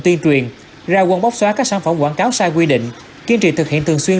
tuyên truyền ra quân bóc xóa các sản phẩm quảng cáo sai quy định kiên trì thực hiện thường xuyên